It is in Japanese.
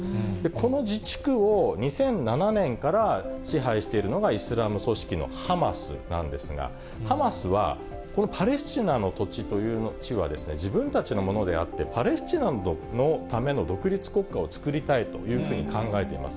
この自治区を２００７年から支配しているのが、イスラム組織のハマスなんですが、ハマスはこのパレスチナの土地という地は、自分たちのものであって、パレスチナのための独立国家をつくりたいというふうに考えています。